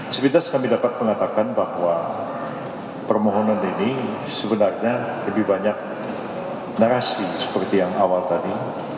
sepintas kami dapat mengatakan bahwa permohonan ini sebenarnya lebih banyak narasi seperti yang awal tadi